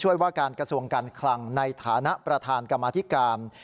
ว่าการกระทรวงการคลังในฐานะประธานกรรมธิการ